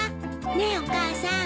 ねえお母さん。